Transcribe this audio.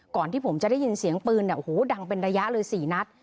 ก่อนที่ผมจะได้ยินเสียงปืนเนี่ยโอ้โหดังเป็นระยะเลย๔นัด